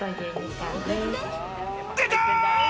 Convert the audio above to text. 出た！